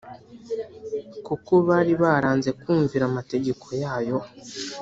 kuko bari baranze kumvira amategeko yayo